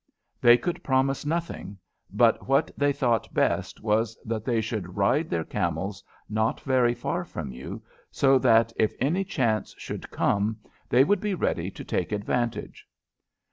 "They could promise nothing, but what they thought best was that they should ride their camels not very far from you, so that if any chance should come they would be ready to take advantage."